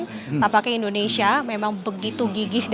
tampaknya indonesia memang begitu gigih